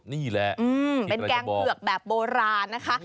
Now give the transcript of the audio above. นี่แหละเป็นแกงเผือกแบบโบราณนะคะ